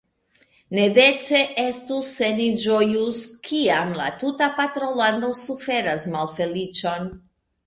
Ne dece estus, se ni ĝojus, kiam la tuta patrolando suferas malfeliĉon.